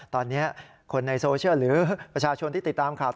ตอนนี้คนในโซเชียลหรือประชาชนที่ติดตามข่าว